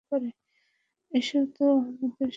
এসে তো আমাদের সুটিং বন্ধ করে দেবে।